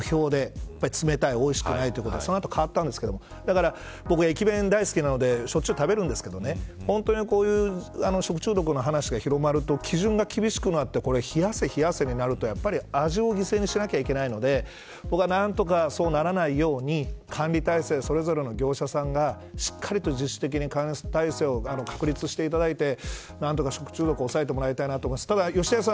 これは生徒に不評で冷たい、おいしくないということでその後、変わったんですがだから僕、駅弁大好きなのでしょっちゅう食べるんですけどこういう食中毒の話が広まると基準が厳しくなって冷やせ、冷やせになると味を犠牲にしないといけないので僕は何とか、そうならないように管理体制をそれぞれの業者さんが自主的に確立していただいて何とか食中毒を抑えてもらいたいと思います。